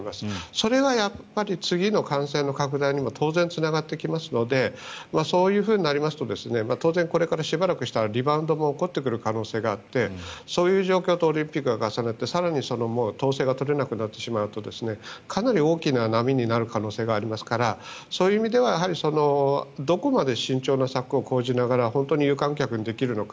それはやっぱり次の感染の拡大にも当然つながってきますのでそういうふうになりますと当然これからしばらくしたらリバウンドも起こってくる可能性があってその状態とオリンピックが重なって、更に統制が取れなくなってしまうとかなり大きな波になる可能性がありますからそういう意味ではどこまで慎重な策を講じながら有観客にできるのか。